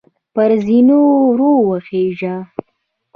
پر زینو وروخیژه !